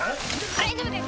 大丈夫です